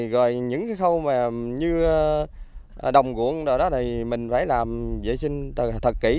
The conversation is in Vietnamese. rồi những cái khâu mà như đồng cuộn đó này mình phải làm vệ sinh thật kỹ